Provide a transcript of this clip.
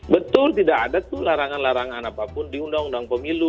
betul tidak ada tuh larangan larangan apapun di undang undang pemilu